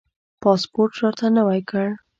پاسپورټ راته نوی کړ.